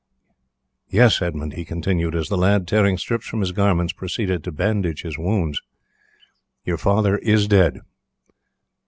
Yes, Edmund," he continued, as the lad, tearing strips from his garments, proceeded to bandage his wounds, "your father is dead.